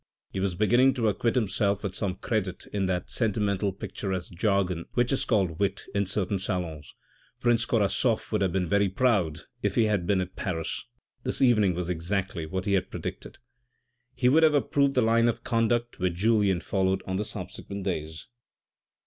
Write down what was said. He was beginning to acquit himself with some credit in that sentimental picturesque jargon which is called wit in certain salons. Prince Korasoff would have been very proud if he had been at Paris. This evening was exactly what he had predicted. He would have approved the line of conduct which Julien followed on the subsequent days.